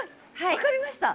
分かりました。